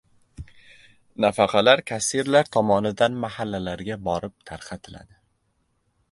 Nafaqalar kassirlar tomonidan mahallalarga borib tarqatiladi.